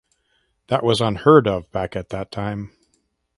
That was unheard of back at the time.